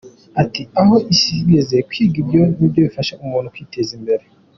Ati “ Aho isi igeze kwiga nibyo bifasha umuntu kwiteza imbere .